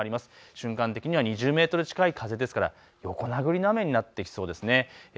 瞬間的には２０メートル近い風ですから横殴りの雨になってきそうですね。